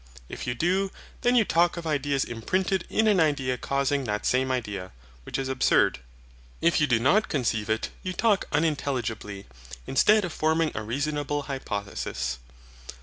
If you do, then you talk of ideas imprinted in an idea causing that same idea, which is absurd. If you do not conceive it, you talk unintelligibly, instead of forming a reasonable hypothesis.